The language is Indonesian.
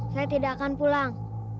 saya tidak akan pulang